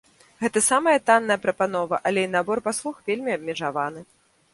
Гэта самая танная прапанова, але і набор паслуг вельмі абмежаваны.